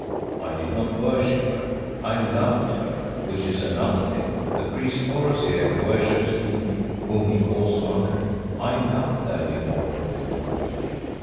"I did not worship her; I loved her, which is another thing. The priest Oros here worships thee, whom he calls Mother. I loved that immortal woman."